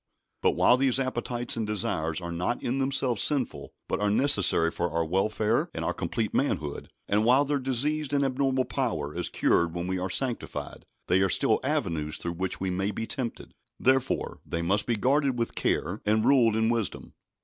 But while these appetites and desires are not in themselves sinful, but are necessary for our welfare and our complete manhood, and while their diseased and abnormal power is cured when we are sanctified, they are still avenues through which we may be tempted. Therefore, they must be guarded with care and ruled in wisdom.